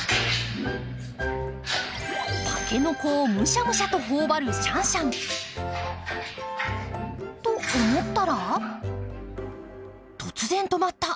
タケノコをむしゃむしゃとほおばるシャンシャン。と思ったら突然止まった。